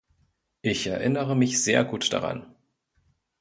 Ich erinnere mich sehr gut daran.